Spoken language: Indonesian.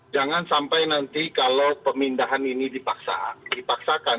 jangan sampai nanti kalau pemindahan ini dipaksakan